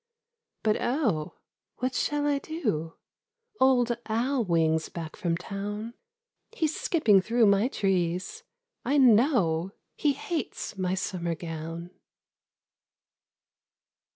— But oh ! What shall I do ? Old Owl wing's back from town ; He's skipping through my trees ; I know He hates my summer gown.